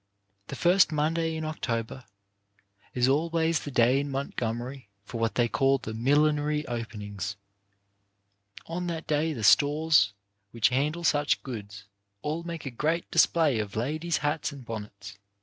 The first Mon day in October is always the day in Montgomery for what they call the millinery openings ; on that day the stores which handle such goods all make a great display of ladies' hats and bonnets.